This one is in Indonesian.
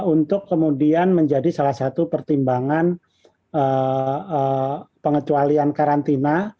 untuk kemudian menjadi salah satu pertimbangan pengecualian karantina